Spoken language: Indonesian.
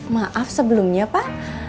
maaf sebelumnya pak